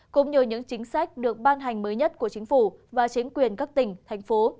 cũng như những chính sách được ban hành mới nhất của chính phủ và chính quyền các tỉnh thành phố